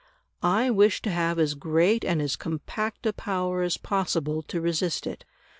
I wish to have as great and as compact a power as possible to resist it.